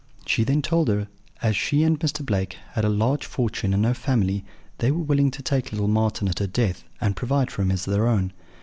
"She then told her that, as she and Mr. Blake had a large fortune and no family, they were willing to take little Marten at her death and provide for him as their own.